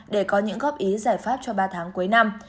để có những góp ý giải pháp cho ba tháng cuối năm